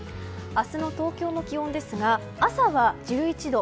明日の東京の気温ですが朝は１１度。